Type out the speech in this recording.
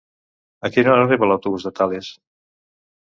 A quina hora arriba l'autobús de Tales?